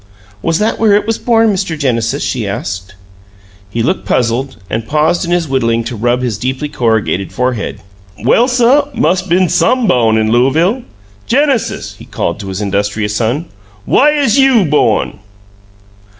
"Was that where it was born, Mr. Genesis?" she asked. He looked puzzled, and paused in his whittling to rub his deeply corrugated forehead. "Well, suh, mus' been some bawn in Looavle. Genesis," he called to his industrious son, "whaih 'uz YOU bawn?"